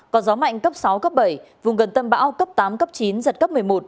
có gió mạnh cấp sáu cấp bảy vùng gần tâm bão cấp tám cấp chín giật cấp một mươi một